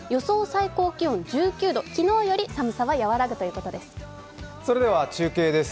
最高気温は１９度、昨日より寒さは和らぐということです。